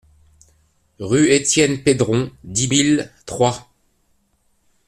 Rue Étienne Pedron, dix mille Troyes